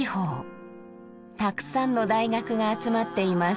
たくさんの大学が集まっています。